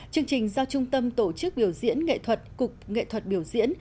chương trình do trung tâm tổ chức biểu diễn nghệ thuật cục nghệ thuật biểu diễn